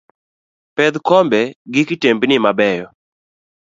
Pedh kombe gi kitembni mabeyo.